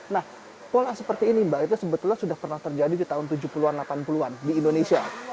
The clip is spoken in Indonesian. nah pola seperti ini mbak itu sebetulnya sudah pernah terjadi di tahun tujuh puluh an delapan puluh an di indonesia